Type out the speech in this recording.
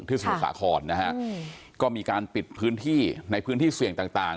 สมุทรสาครนะฮะก็มีการปิดพื้นที่ในพื้นที่เสี่ยงต่าง